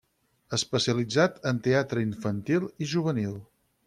Especialitzat en teatre infantil i juvenil.